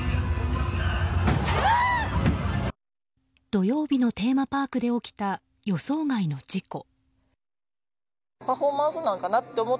土曜日のテーマパークで起きた予想外の事故。